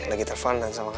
lagi telpon sama kamu ya